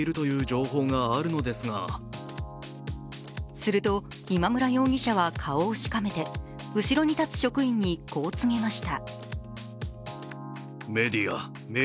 すると、今村容疑者は顔をしかめて後ろに立つ職員にこう告げました。